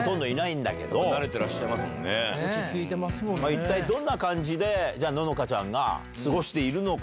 一体どんな感じでののかちゃんが過ごしているのか。